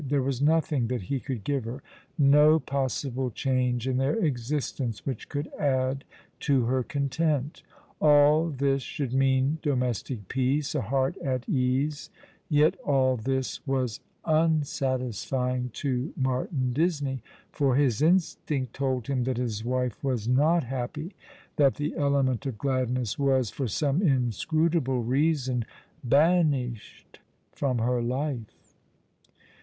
There was nothing that he could give her, no possible change in their existence which could add to her content. All this should mean domestic peace, a heart at ease; yet all this was unsatisfying to Martin Disney; for his instinct told him that his wife was not happy — that the element of gladness was, for some inscrutable reason, banished from her life.